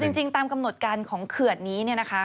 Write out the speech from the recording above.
จริงตามกำหนดการของเขื่อนนี้เนี่ยนะคะ